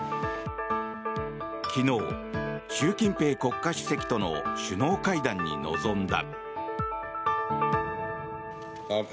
昨日、習近平国家主席との首脳会談に臨んだ。